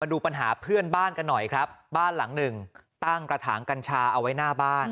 ดูปัญหาเพื่อนบ้านกันหน่อยครับบ้านหลังหนึ่งตั้งกระถางกัญชาเอาไว้หน้าบ้าน